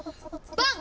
バン！